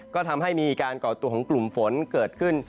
ก็ทำให้มีการก่อตัวของกลุ่มฝนเกิดขึ้น